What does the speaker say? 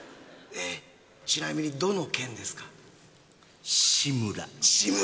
ちなみにどのケンですか？